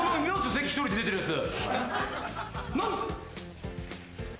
関一人で出てるやつ。